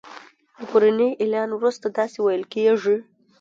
له پروني اعلان وروسته داسی ویل کیږي